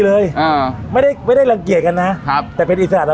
เลยอ่าไม่ได้ไม่ได้รังเกียจกันนะครับแต่เป็นอิสระ